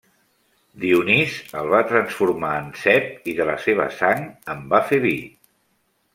Dionís el va transformar en cep i de la seva sang en va fer vi.